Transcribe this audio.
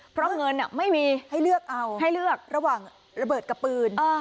เพราะเงินไม่มีให้เลือกเอาให้เลือกระหว่างระเบิดกับปืน